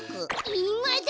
いまだ！